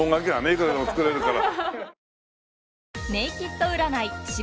いくらでも作れるから。